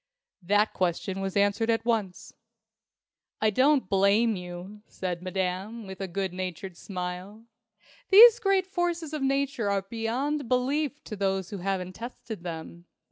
That question was answered at once. "I don't blame you," said Madame, with a good natured smile. "These great forces of Nature are beyond belief to those who haven't tested them.